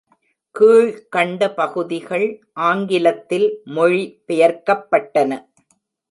கீழ் கண்ட பகுதிகள் ஆங்கிலத்தில் மொழி பெயர்க்கப்பட்டன.